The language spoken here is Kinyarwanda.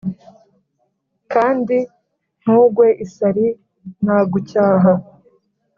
kandi ntugwe isari, n'agucyaha.